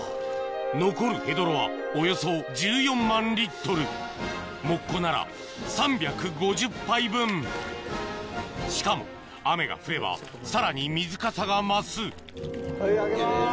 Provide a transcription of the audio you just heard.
残るヘドロはおよそ１４万モッコなら３５０杯分しかも雨が降ればさらに水かさが増すはい上げます。